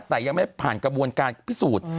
แต่ยังไม่ผ่านกระบวนการพิสูจน์